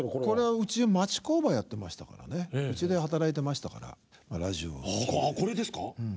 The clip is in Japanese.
これはうち町工場やってましたからねうちで働いてましたからラジオをこれですか？